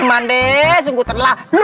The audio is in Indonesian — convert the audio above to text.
manda sungguh terlalu